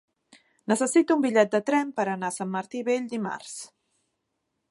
Necessito un bitllet de tren per anar a Sant Martí Vell dimarts.